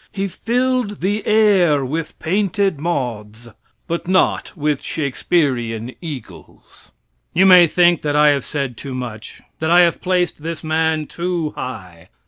He filled the air with painted moths but not with Shakespearean eagles. You may think that I have said too much; that I have placed this man too high.